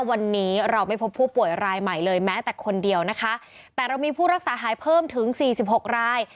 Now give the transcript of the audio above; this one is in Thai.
วันนี้เราไม่พบผู้ป่วยรายใหม่เลยแม้แต่คนเดียวนะคะแต่เรามีผู้รักษาหายเพิ่มถึงสี่สิบหกราย